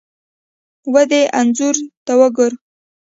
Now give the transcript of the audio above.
ودې انځور ته ګوره!